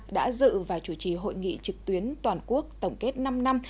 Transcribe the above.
đã dự và chủ trì hội nghị trực tuyến toàn quốc tổng kết năm năm